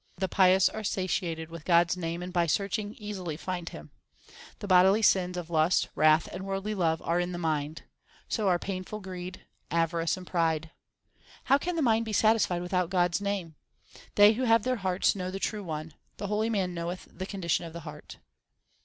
The pious are satiated with God s name, and by searching easily find Him. The bodily sins of lust, wrath, and worldly love are in the mind : HYMNS OF GURU NANAK 315 So are painful greed, avarice, and pride. How can the mind be satisfied without God s name ? They who lave their hearts know the True One. The holy man knoweth the condition of his heart.